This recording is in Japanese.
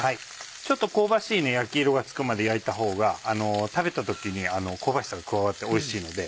ちょっと香ばしい焼き色がつくまで焼いたほうが食べた時に香ばしさが加わっておいしいので。